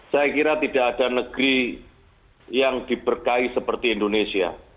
saya kira tidak ada negeri yang diberkahi seperti indonesia